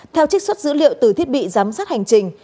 theo trích xuất dữ liệu từ thiết bị giám sát hành trình